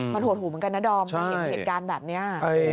มันโหดหูเหมือนกันนะดอมไปเห็นเหตุการณ์แบบนี้